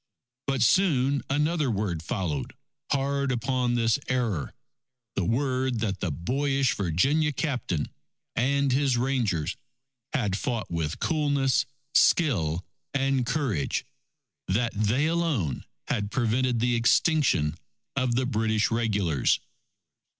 But soon another word followed hard upon this error the word that the boyish Virginia Captain and his Rangers had fought with coolness, skill, and courage; that they alone had prevented the extinction of the British Regulars.